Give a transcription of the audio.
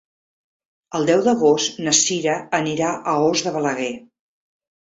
El deu d'agost na Cira anirà a Os de Balaguer.